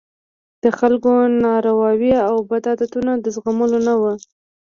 د خلکو نارواوې او بدعتونه د زغملو نه وو.